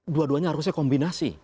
dua duanya harusnya kombinasi